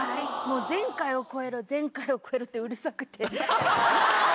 「前回を超えろ前回を超えろ」ってうるさくて。